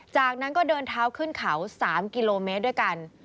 จากนั้นก็เดินเท้าขึ้นเขา๓กิโลเมตรด้วยกัน